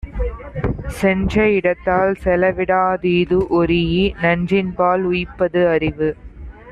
சென்ற இடத்தால் செலவிடா, தீது ஒரீஇ, நன்றின்பால் உய்ப்பது அறிவு.